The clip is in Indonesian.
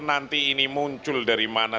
nanti ini muncul dari mana